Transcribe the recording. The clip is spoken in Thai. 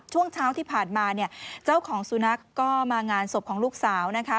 ช่วงเช้าที่ผ่านมาเนี่ยเจ้าของสุนัขก็มางานศพของลูกสาวนะคะ